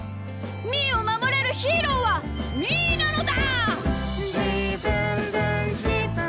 みーをまもれるヒーローはみーなのだ！」。